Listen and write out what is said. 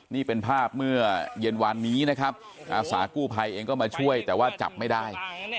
นี่เป็นภาพเมื่อเย็นวานนี้นะครับอาสากู้ภัยเองก็มาช่วยแต่ว่าจับไม่ได้